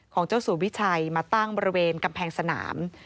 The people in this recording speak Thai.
ของเจ้าสัววิชัยมาตั้งบริเวณกำแพงสนาม